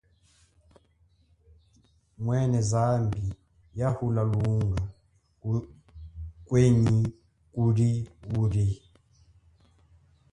Mwene zambi yahula lunga ngwenyi kuli uli?